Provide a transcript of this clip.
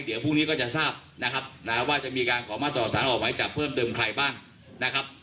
เดี๋ยวพรุ่งนี้ก็จะทราบนะครับนะว่าจะมีการขอมาต่อสารออกหมายจับเพิ่มเติมใครบ้างนะครับ